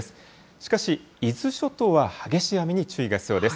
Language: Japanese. しかし、伊豆諸島は激しい雨に注意が必要です。